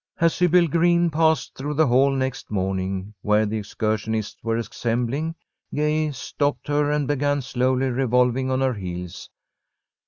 As Sybil Green passed through the hall next morning, where the excursionists were assembling, Gay stopped her and began slowly revolving on her heels.